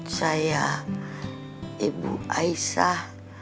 saya ibu aisyah